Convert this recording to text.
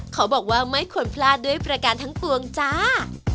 เขาบอกว่าไม่ควรพลาดด้วยประการทั้งปวงจ้า